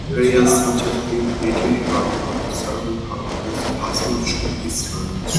Players such as Phil Vickery and Rob Thirlby have both passed through its ranks.